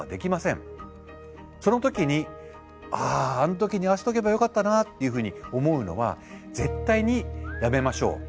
その時に「あああの時にああしておけばよかったな」っていうふうに思うのは絶対にやめましょう。